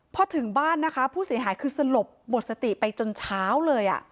พอถึงบ้านนะคะผู้เสียหายคือสลบหมดสติไปจนเช้าเลย